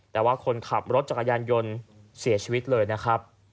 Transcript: แต่ว่าคนขับรถจักรยานยนต์เสียชีวิตเลยนะครับ